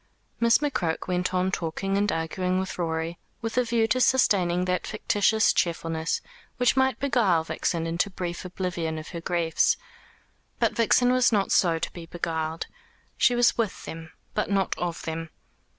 Miss McCroke went on talking and arguing with Rorie, with a view to sustaining that fictitious cheerfulness which might beguile Vixen into brief oblivion of her griefs. But Vixen was not so to be beguiled. She was with them, but not of them.